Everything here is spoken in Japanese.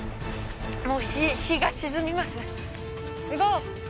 もう日日が沈みます。